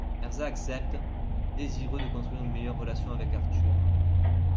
Ezra accepte, désireux de construire une meilleure relation avec Arthur.